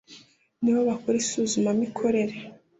Ni bo bakora isuzumamikorere